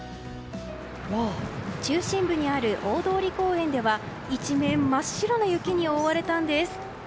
中心部にある大通公園では一面真っ白な雪に覆われたんです。